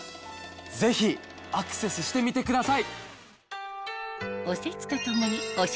ぜひアクセスしてみてください！